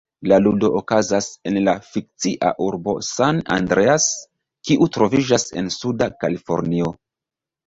La ludo okazas en la fikcia urbo San Andreas, kiu troviĝas en Suda Kalifornio.